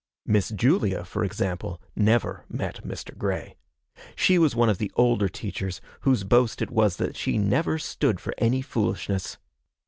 Miss Julia, for example, never met Mr. Grey. She was one of the older teachers, whose boast it was that she never stood for any foolishness.